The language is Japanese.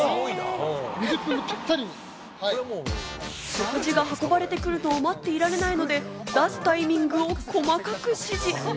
食事が運ばれてくるのを待っていられないので、出すタイミングを細かく指示。